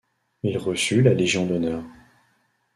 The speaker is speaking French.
Il reçut la Légion d'honneur.